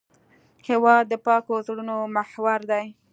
هېواد د پاکو زړونو محور دی.